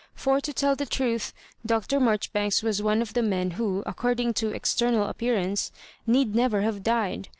For to tell the truth, Dr. Marjoribanks was one of the men who^ according to external appear ance, need never hare died.